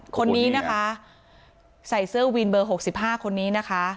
คนนี้นะคะใส่เสื้อวินเบอร์๖๕คนนี้นะคะ